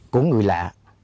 của người lạ